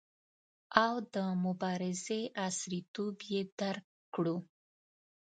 او د مبارزې عصریتوب یې درک کړو.